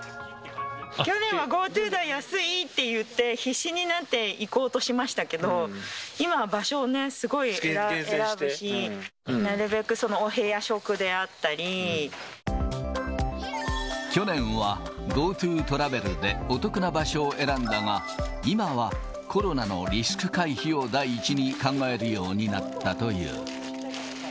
去年はＧｏＴｏだ、安いっていって、必死になって行こうとしましたけど、今は場所をすごい選ぶし、去年はＧｏＴｏトラベルでお得な場所を選んだが、今はコロナのリスク回避を第一に考えるようになったという。